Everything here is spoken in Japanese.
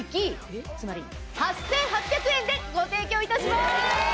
つまり８８００円でご提供いたします！